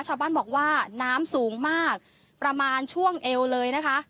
ชาวบ้านบอกว่าน้ำสูงมากประมาณช่วงเอวเลยนะคะ